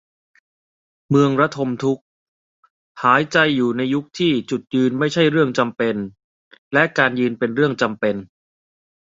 เมืองระทมทุกข์ : หายใจอยู่ในยุคที่ จุดยืนไม่ใช่เรื่องจำเป็น และ การยืนเป็นเรื่องจำเป็น